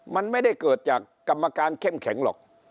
มันไม่ได้เกิดจากกรรมการเข้มแข็งหรอก